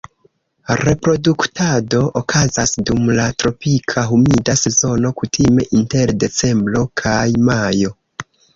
Reproduktado okazas dum la tropika humida sezono kutime inter decembro kaj majo.